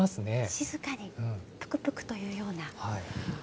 静かにぷくぷくというような。